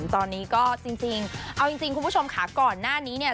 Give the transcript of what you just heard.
ตอนนี้ก็จริงเอาจริงคุณผู้ชมค่ะก่อนหน้านี้เนี่ย